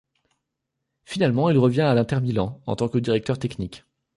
Finalement, il revient à l'Inter Milan, en tant que directeur technique.